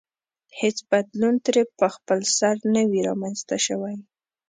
هېڅ بدلون ترې په خپلسر نه وي رامنځته شوی.